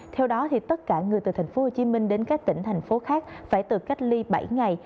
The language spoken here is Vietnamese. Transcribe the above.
theo đó tất cả người từ tp hcm đến các tỉnh thành phố khác phải tự cách ly bảy ngày